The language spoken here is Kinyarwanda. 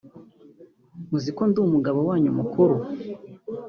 uzi ko ndi umugabo wanyu mukuru